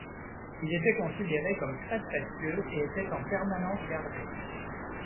Il était considéré comme très précieux, et était en permanence gardé.